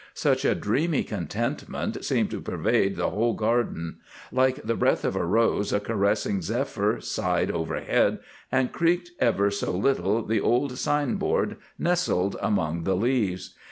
Such a dreamy contentment seemed to pervade the whole Garden. Like the breath of a rose a caressing zephyr sighed overhead and creaked ever so little the old signboard nestled among the leaves.